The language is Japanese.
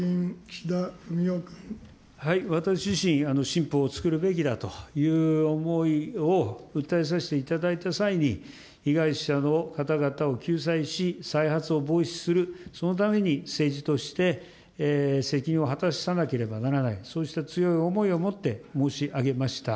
私自身、新法を作るべきだという思いを訴えさせていただいた際に、被害者の方々を救済し、再発を防止する、そのために政治として、責任を果たさなければならない、そうした強い思いをもって申し上げました。